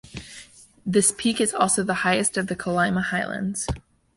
This peak is also the highest of the Kolyma Highlands.